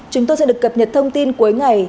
chúng tôi sẽ được cập nhật thông tin cuối ngày